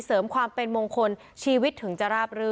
เสริมความเป็นมงคลชีวิตถึงจะราบรื่น